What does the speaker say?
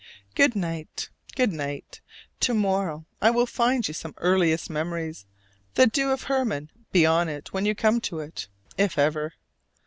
Good night, good night! To morrow I will find you some earliest memory: the dew of Hermon be on it when you come to it if ever!